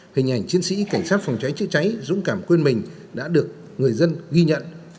hình ảnh chiến sĩ cảnh sát phòng cháy chữa cháy dũng cảm quên mình đã được người dân ghi nhận